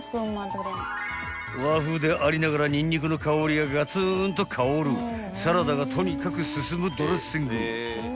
［和風でありながらニンニクの香りがガツンと香るサラダがとにかく進むドレッシング］